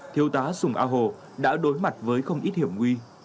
thiếu tá sùng a hồ đã đối mặt với không ít hiểm nguy